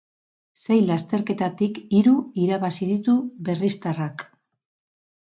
Sei lasterketatik hiru irabazi ditu berriztarrak.